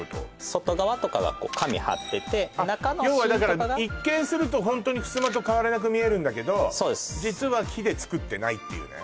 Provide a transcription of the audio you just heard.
外側とかが紙張ってて中の芯とかが要はだから一見するとホントにふすまと変わらなく見えるんだけどそうです実は木で作ってないっていうね